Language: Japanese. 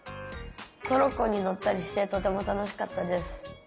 トロッコに乗ったりしてとても楽しかったです。